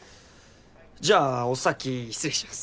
じゃあお先失礼します。